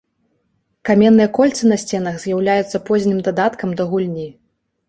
Каменныя кольцы на сценах з'яўляюцца познім дадаткам да гульні.